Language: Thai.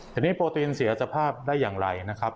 ทีนี้โปรตีนเสียสภาพได้อย่างไรนะครับ